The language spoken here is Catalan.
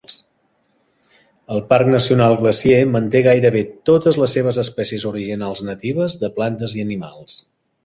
El Parc Nacional Glacier manté gairebé totes les seves espècies originals natives de plantes i animals.